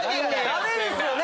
ダメですよね？